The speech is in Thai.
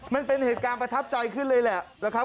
มันเป็นเหตุการณ์ประทับใจขึ้นเลยแหละนะครับ